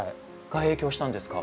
が影響したんですか？